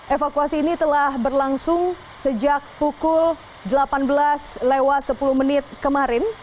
evakuasi ini telah berlangsung sejak pukul delapan belas lewat sepuluh menit kemarin